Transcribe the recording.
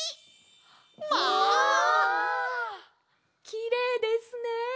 きれいですね！